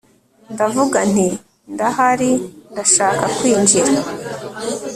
ndavuga nti ndahari ndashaka kwinjira